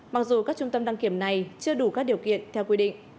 mặc dù các trung tâm đăng kiểm này chưa đủ các điều kiện theo quy định